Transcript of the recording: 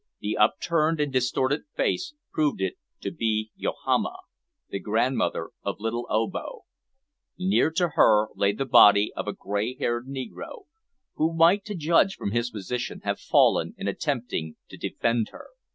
The upturned and distorted face proved it to be Yohama, the grandmother of little Obo. Near to her lay the body of a grey haired negro, who might to judge from his position, have fallen in attempting to defend her.